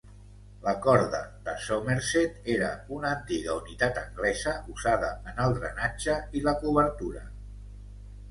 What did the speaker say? La corda de Somerset era una antiga unitat anglesa usada en el drenatge i la cobertura.